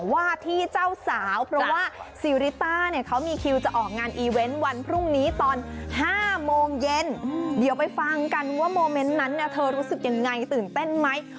วันที่สุดท้ายวันที่สุดท้ายคือวันที่สุดท้าย